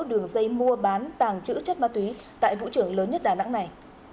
đường dây mua bán tàng trữ chất ma túy tại vũ trưởng lớn nhất đà nẵng này